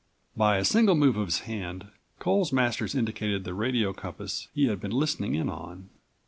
By a single move of the hand, Coles Masters indicated the radio compass he had been listening in on.